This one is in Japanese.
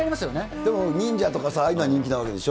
でも、忍者とかああいうの人気なわけでしょ？